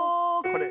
これ。